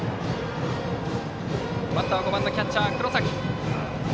バッターは５番のキャッチャー黒崎。